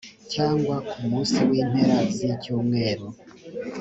cyangwa ku munsi w’impera z ‘icyumweru